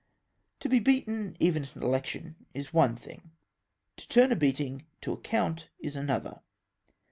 To be beaten, even at an election, is one thing ; to turn a beatino; to account is another.